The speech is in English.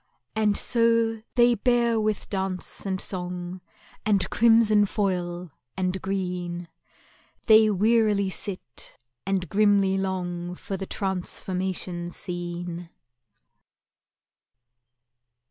And so they bear with dance and song, And crimson foil and green, They wearily sit, and grimly long For the Transformation Scene.